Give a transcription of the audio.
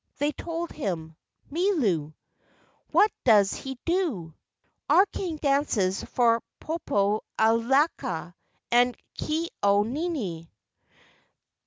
They told him, "Milu " "What does he do?" "Our king dances for Popo alaea and Ke au nini."